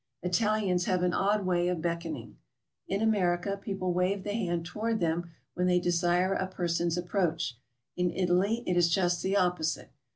Italians have an odd way of beckoning. In America people wave the hand toward them when they desire a person's approach; in Italy it is just the opposite.